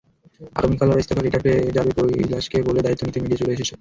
আগামিকাল ওর ইস্তফার লেটার পেয়ে যাবে কৈলাশকে বলো দায়িত্ব নিতে মিডিয়া চলে এসেছে।